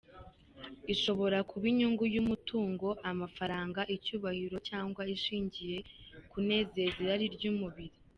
Ishobora kuba inyungu y’umutungo, amafaranga, icyubahiro cyangwa ishingiye ku kunezeza irari ry’umubiri.